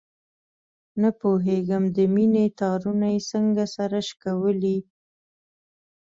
نه پوهېږم د مینې تارونه یې څنګه سره شکولي.